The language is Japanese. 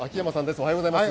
おはようございます。